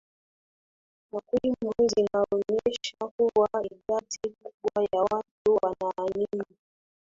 takwimu zinaonyesha kuwa idadi kubwa ya watu wanaamini